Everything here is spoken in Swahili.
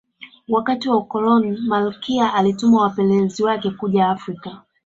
wakati wa ukoloni malkia alituma wapelelezi wake kuja afrika